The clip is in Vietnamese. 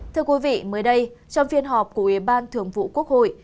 thưa quý vị mới đây trong phiên họp của ủy ban thường vụ quốc hội